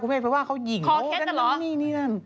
ก็ได้คุณแม่ว่าเขายิ่งโทวนกันเนี่ย